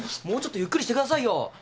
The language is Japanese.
もうちょっとゆっくりしてくださいよ。